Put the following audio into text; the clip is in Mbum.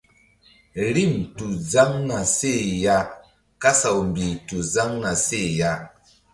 Rim tu zaŋ na seh ya kasaw mbih tu zaŋ na seh ya.